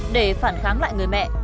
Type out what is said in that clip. để phản kháng lại người mẹ